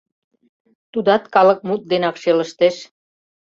Тудат калыкмут денак шелыштеш.